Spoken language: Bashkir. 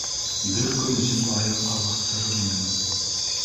Бер көн эсендә аяҡҡа баҫтырыр инем!